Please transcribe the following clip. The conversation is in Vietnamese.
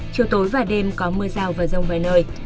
chiều tối và đêm có mưa rào và rông vài nơi